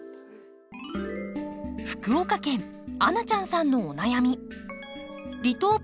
福岡県あなちゃんさんのお悩み。